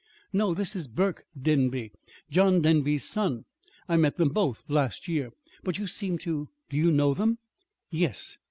"No, this is Burke Denby, John Denby's son. I met them both last year. But you seem to Do you know them?" "Yes."